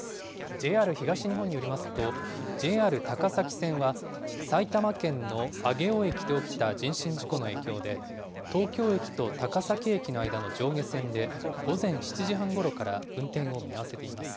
ＪＲ東日本によりますと、ＪＲ高崎線は、埼玉県の上尾駅で起きた人身事故の影響で、東京駅と高崎駅の間の上下線で、午前７時半ごろから運転を見合わせています。